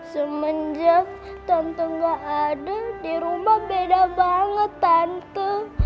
semenjak tante gak ada di rumah beda banget tante